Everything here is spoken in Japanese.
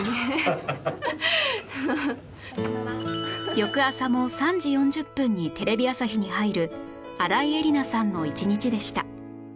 翌朝も３時４０分にテレビ朝日に入る新井恵理那さんの一日でした